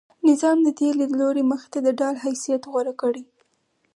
نظام د دې لیدلوري مخې ته د ډال حیثیت غوره کړی.